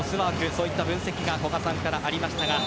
そういった分析が古賀さんからありました。